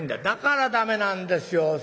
「だから駄目なんですよ。